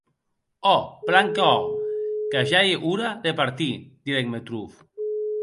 Òc, plan que òc; que ja ei ora de partir, didec Metrov.